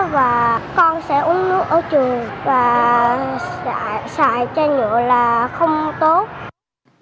và con sẽ uống nước ở trường và xài chai nhựa là không tốt